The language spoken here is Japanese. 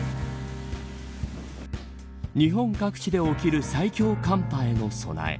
日本各地で起きる最強寒波への備え。